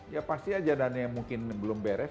ya pasti aja dana yang mungkin belum beres